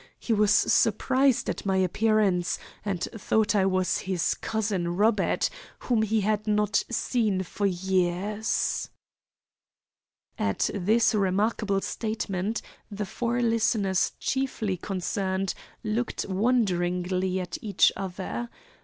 He was surprised at my appearance, and thought I was his cousin Robert, whom he had not seen for years." At this remarkable statement the four listeners chiefly concerned looked wonderingly at each other.